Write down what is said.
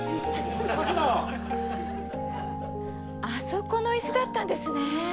あそこの椅子だったんですね！